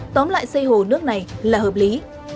tóm lại xây hồ nước này là hợp lý